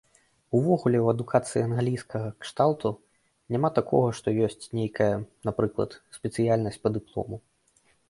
Увогуле ў адукацыі англійскага кшталту няма такога, што ёсць нейкая, напрыклад, спецыяльнасць па дыплому.